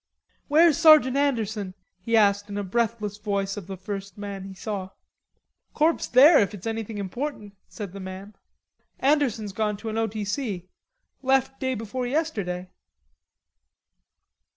"Where's Sergeant Anderson?" he asked in a breathless voice of the first man he saw. "Corp's there if it's anything important," said the man. "Anderson's gone to an O. T. C. Left day before yesterday."